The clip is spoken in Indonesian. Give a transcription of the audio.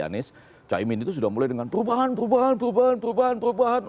anies caimin itu sudah mulai dengan perubahan perubahan perubahan perubahan